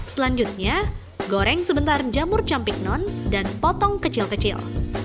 selanjutnya goreng sebentar jamur campik non dan potong kecil kecil